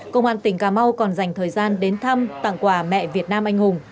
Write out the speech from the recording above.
công an tỉnh cà mau còn dành thời gian đến thăm tặng quà mẹ việt nam anh hùng